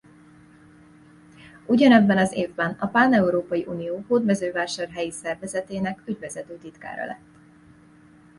Ugyanebben az évben a Páneurópai Unió hódmezővásárhelyi szervezetének ügyvezető titkára lett.